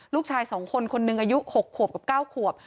ลูกชาย๒คนคนหนึ่งอายุ๖ขวบกับ๙ขวบ